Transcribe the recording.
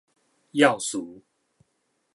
要詞